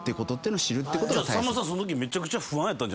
じゃさんまさんそのときめちゃくちゃ不安やったんじゃ？